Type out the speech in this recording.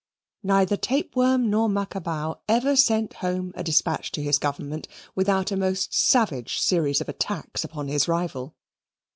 Neither Tapeworm nor Macabau ever sent home a dispatch to his government without a most savage series of attacks upon his rival.